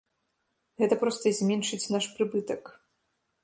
Гэта проста зменшыць наш прыбытак.